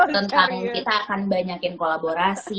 tentang kita akan banyakin kolaborasi